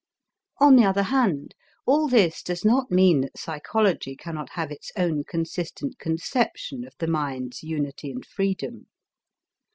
On the other hand, all this does not mean that psychology cannot have its own consistent conception of the mind's unity and freedom.